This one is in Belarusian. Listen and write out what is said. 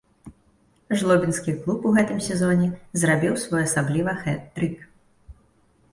Жлобінскі клуб у гэтым сезоне зрабіў своеасабліва хэт-трык.